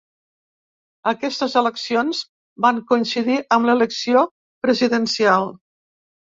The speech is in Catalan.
Aquestes eleccions van coincidir amb l'elecció presidencial.